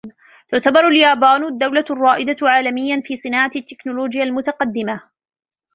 تعتبر اليابان الدولة الرائدة عالميا في صناعة التكنولوجيا المتقدمة.